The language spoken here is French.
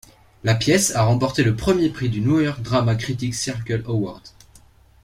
La pièce a remporté le premier prix du New York Drama Critics Circle Award.